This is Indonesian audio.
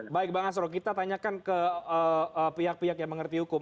baik bang asro kita tanyakan ke pihak pihak yang mengerti hukum